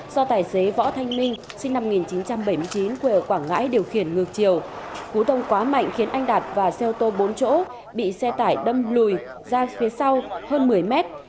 do tài xế võ thanh minh sinh năm một nghìn chín trăm bảy mươi chín quê ở quảng ngãi điều khiển ngược chiều cú tông quá mạnh khiến anh đạt và xe ô tô bốn chỗ bị xe tải đâm lùi ra phía sau hơn một mươi mét